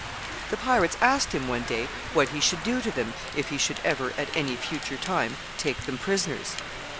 The pirates asked him one day what he should do to them if he should ever, at any future time, take them prisoners.